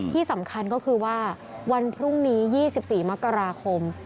ที่สำคัญก็คือว่าวันพรุ่งนี้๒๔มกราคม